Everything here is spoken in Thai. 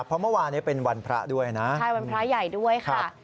เพราะเมื่อวานนี้เป็นวันพระด้วยนะใช่วันพระใหญ่ด้วยค่ะ